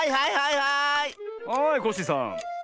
はいコッシーさん。